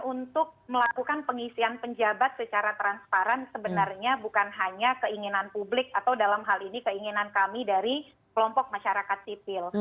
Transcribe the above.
untuk melakukan pengisian penjabat secara transparan sebenarnya bukan hanya keinginan publik atau dalam hal ini keinginan kami dari kelompok masyarakat sipil